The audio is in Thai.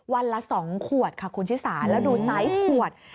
วันละ๒ขวดค่ะคุณชิสาแล้วดูไซส์ขวด